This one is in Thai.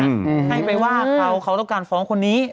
ให้ไปว่าเขาเขาต้องการฟ้องคนนี้